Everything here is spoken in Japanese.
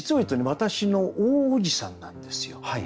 私の大叔父さんなんですよ。